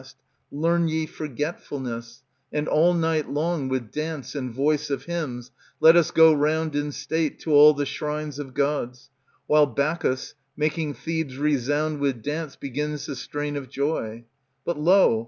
146 ANTIGONE Learn ye forge tfulness, And all night long, with dance and voice of hymns, Let us go round in state To all the shrines of Gods, While Bacchos, making Thebes resound with dance, Begins the strain of joy; But, lo